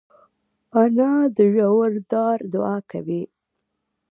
انا د روژهدار دعا کوي